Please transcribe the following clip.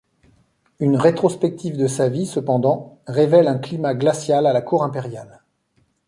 Une rétrospective de sa vie, cependant, révèle un climat glacial à la cour impériale.